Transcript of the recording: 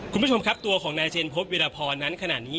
คุณผู้ชมครับตัวของนายเจนพบวิรพรนั้นขณะนี้